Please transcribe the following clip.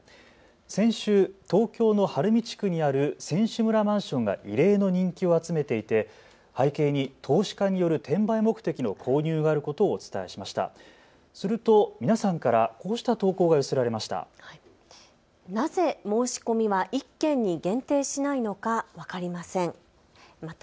先週、東京の晴海地区にある選手村マンションが異例の人気を集めていて背景に投資家による転売目的の購入があることをお伝えしました。